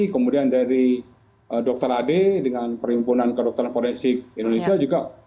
kemudian dari dr ade dengan perhimpunan kedokteran forensik indonesia juga